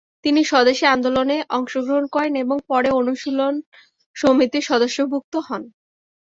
তিনি স্বদেশী আন্দোলনে অংশগ্রহণ করেন এবং পরে অনুশীলন সমিতির সদস্যভুক্ত হন।